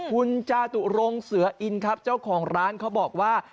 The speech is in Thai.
คุณจาตุรงเสืออินครับเจ้าของร้านเขาบอกว่า